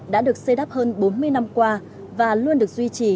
đã được xây đắp hơn bốn mươi năm qua và luôn được duy trì